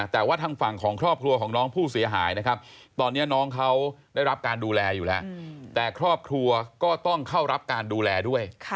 แต่ว่าทางฝั่งของครอบครัวของน้องผู้เสียหายนะครับตอนนี้น้องเขาได้รับการดูแลอยู่แล้วแต่ครอบครัวก็ต้องเข้ารับการดูแลด้วย